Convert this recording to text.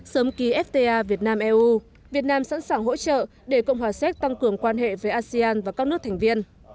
sớm ký fta việt nam eu việt nam sẵn sàng hỗ trợ để cộng hòa séc tăng cường quan hệ với asean và các nước thành viên